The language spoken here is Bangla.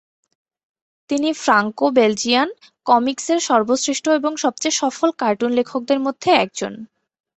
তিনি ফ্রাঙ্কো-বেলজিয়ান কমিক্স এর সর্বশ্রেষ্ঠ এবং সবচেয়ে সফল কার্টুন লেখকদের মধ্যে একজন।